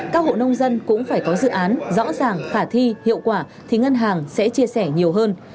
các hộ nông dân cũng phải có dự án rõ ràng khả thi hiệu quả thì ngân hàng sẽ chia sẻ nhiều hơn